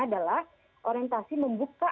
adalah orientasi membuka